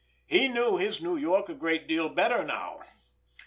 He knew his New York a great deal better now!